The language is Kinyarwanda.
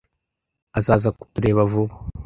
Azaza kutureba vuba.